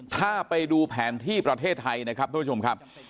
ถ้าไปดูแผนที่ประเทศไทยนะครับทุกผู้ชมครับ